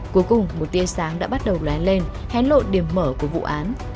cuối cùng một tia sáng đã bắt đầu lái lên hén lộ điểm mở của vụ án